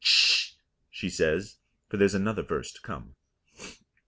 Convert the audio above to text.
"H'sh!" she says, for there is another verse to come.